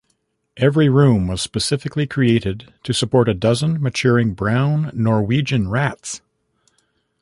Every room was specifically created to support a dozen matured brown Norwegian rats.